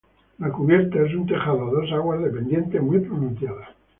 El la cubierta es un tejado a dos aguas de pendiente muy pronunciada.